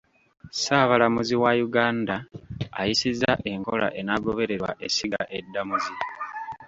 Ssaabalamuzi wa Uganda ayisizza enkola enaagobererwa essiga eddamuzi.